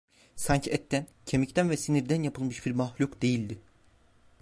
Sanki etten, kemikten ve sinirden yapılmış bir mahluk değildi.